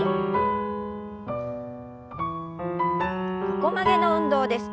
横曲げの運動です。